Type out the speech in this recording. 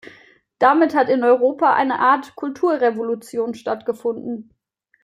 Damit hat in Europa eine Art Kulturrevolution stattgefunden.